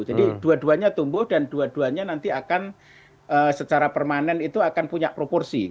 jadi dua duanya tumbuh dan dua duanya nanti akan secara permanen itu akan punya proporsi